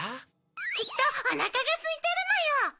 きっとおなかがすいてるのよ！